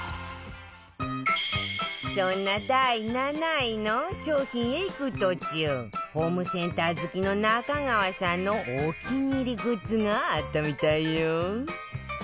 そんな第７位の商品へ行く途中ホームセンター好きの中川さんのお気に入りグッズがあったみたいよ